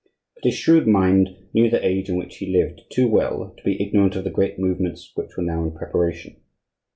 But his shrewd mind knew the age in which he lived too well to be ignorant of the great movements which were now in preparation.